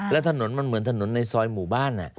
แล้วถนนมันเหมือนถนนในซอยหมู่บ้าน